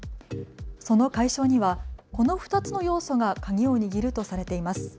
その解消にはこの２つの要素が鍵を握るとされています。